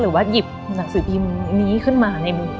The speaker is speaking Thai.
หรือว่าหยิบหนังสือพิมพ์นี้ขึ้นมาในมือ